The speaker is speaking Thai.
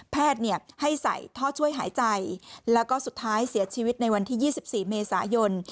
แพทย์ให้ใส่ท่อช่วยหายใจแล้วก็สุดท้ายเสียชีวิตในวันที่๒๔เมษายน